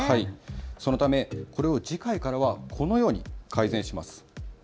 そのためこれを次回からはこのように改善します。